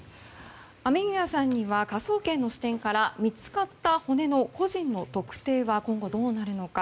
雨宮さんには科捜研の視点から見つかった骨の個人の特定は今後どうなるのか。